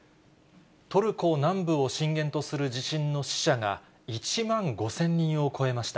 トルコ南部を震源とする地震の死者が、１万５０００人を超えました。